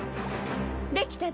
できたぞ。